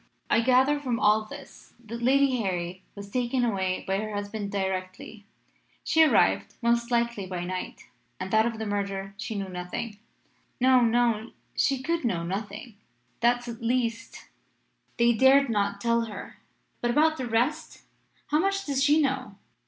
I gather from all this that Lady Harry was taken away by her husband directly she arrived most likely by night and that of the murder she knew nothing.' "'No no she could know nothing! That, at least, they dared not tell her. But about the rest? How much does she know?